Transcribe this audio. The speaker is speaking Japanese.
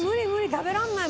食べられない。